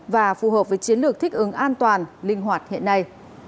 và phù hợp với chiến lược thích ứng an toàn linh hoạt hiện nay